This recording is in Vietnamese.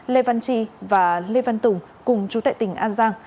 lê văn trì và lê văn tùng cùng trú tại tỉnh an giang